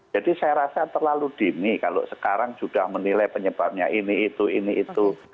jadi saya rasa terlalu dini kalau sekarang sudah menilai penyebabnya ini itu ini itu